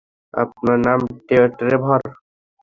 আমার নাম ট্রেভর।